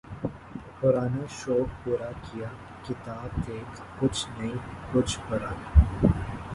پرانا شوق پورا کیا ، کتاب دیکھ ، کچھ نئی ، کچھ و پرانی